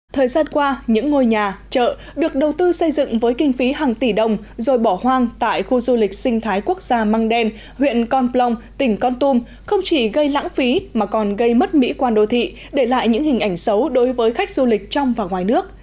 thời gian qua những ngôi nhà chợ được đầu tư xây dựng với kinh phí hàng tỷ đồng rồi bỏ hoang tại khu du lịch sinh thái quốc gia mang đen huyện con plong tỉnh con tum không chỉ gây lãng phí mà còn gây mất mỹ quan đô thị để lại những hình ảnh xấu đối với khách du lịch trong và ngoài nước